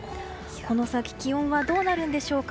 この先、気温はどうなるんでしょうか。